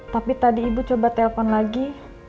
tapi tadi ibu coba telpon lagi